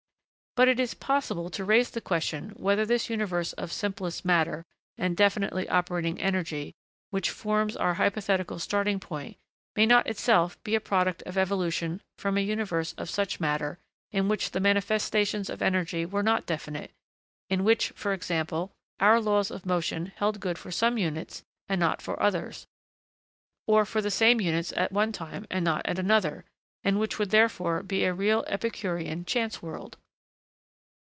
But it is possible to raise the question whether this universe of simplest matter and definitely operating energy, which forms our hypothetical starting point, may not itself be a product of evolution from a universe of such matter, in which the manifestations of energy were not definite in which, for example, our laws of motion held good for some units and not for others, or for the same units at one time and not at another and which would therefore be a real epicurean chance world?